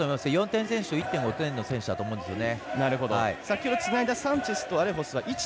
４点選手と１．５の選手だと思うんですね。